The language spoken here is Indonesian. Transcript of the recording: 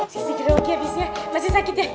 sisi grogi habisnya masih sakit ya